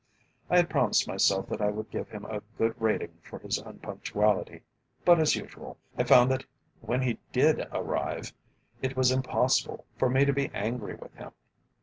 I had promised myself that I would give him a good rating for his unpunctuality, but, as usual, I found that when he did arrive it was impossible for me to be angry with him.